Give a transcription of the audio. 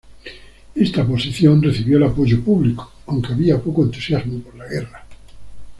Esta posición recibió el apoyo público, aunque había poco entusiasmo por la guerra.